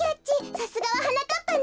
さすがははなかっぱね。